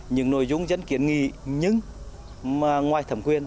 những nội dung dân kiến nghị nhưng mà ngoài thẩm quyền